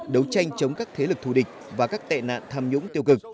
đấu tranh chống các thế lực thù địch và các tệ nạn tham nhũng tiêu cực